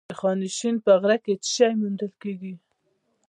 د خانشین په غره کې څه شی موندل کیږي؟